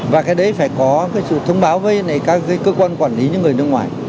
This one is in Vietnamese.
và cái đấy phải có cái sự thông báo với các cơ quan quản lý những người nước ngoài